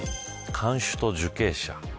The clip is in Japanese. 看守と受刑者。